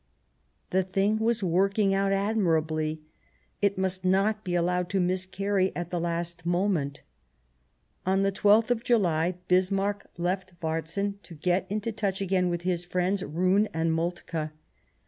The thing was working out admirably ; it must not be allowed to miscarry at the last moment. On the 12th of July Bismarck left Varzin to get into touch again with his friends Roon and Moltke.